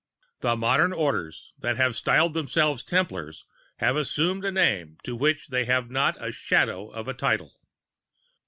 The modern Orders that style themselves Templars have assumed a name to which they have not the shadow of a title.